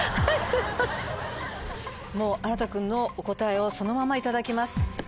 あらた君のお答えをそのまま頂きます。